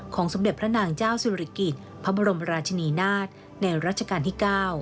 สมเด็จพระนางเจ้าศิริกิจพระบรมราชนีนาฏในรัชกาลที่๙